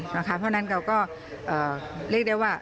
เพราะฉะนั้นเราก็เรียกได้ว่า